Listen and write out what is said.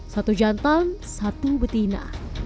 satu jantan satu betina